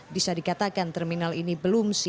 bisa dikatakan terminal ini belum siap